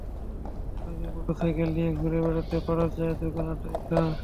সারা দিন মোটরসাইকেল নিয়ে ঘুরে বেড়াত, পাড়ার চায়ের দোকানে আড্ডা দিত।